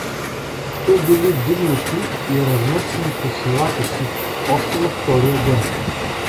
Те били дигнати и разнесени по селата си още на втория ден.